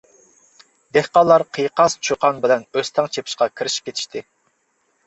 دېھقانلار قىيقاس چۇقان بىلەن ئۆستەڭ چېپىشقا كىرىشىپ كېتىشتى.